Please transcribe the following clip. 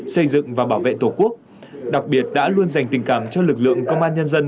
xây dựng và bảo vệ tổ quốc đặc biệt đã luôn dành tình cảm cho lực lượng công an nhân dân